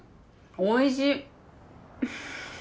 おいしい。